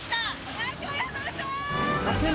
中山さん！